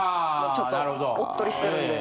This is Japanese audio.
ちょっとおっとりしとるんで。